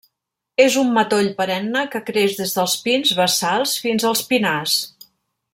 És un matoll perenne que creix des dels pins bassals fins als pinars.